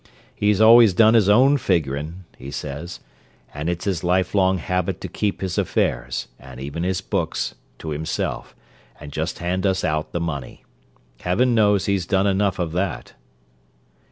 He's 'always done his own figuring,' he says; and it's his lifelong habit to keep his affairs: and even his books, to himself, and just hand us out the money. Heaven knows he's done enough of that!"